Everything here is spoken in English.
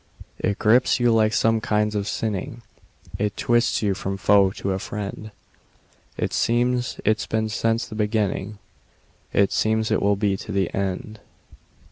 It grips you like some kinds of sinning; It twists you from foe to a friend; It seems it's been since the beginning; It seems it will be to the end.